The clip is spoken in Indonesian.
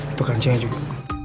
itu kancingnya juga